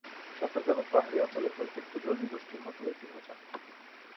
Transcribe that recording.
চট্টগ্রামের পাহাড়ি অঞ্চলের কয়েকটি ক্ষুদ্র নৃগোষ্ঠীর মধ্যে একটি হলো চাকমা।